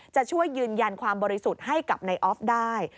จะช่วยยืนยันความบริสุทธิ์ให้กับนายออฟได้